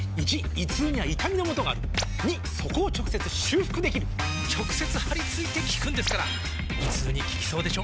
①胃痛には痛みのもとがある②そこを直接修復できる直接貼り付いて効くんですから胃痛に効きそうでしょ？